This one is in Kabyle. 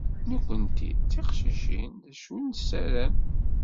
Nekkenti d tiqcicin d acu nessaram.